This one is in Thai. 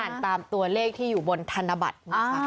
อ่านตามตัวเลขที่อยู่บนธนบัตร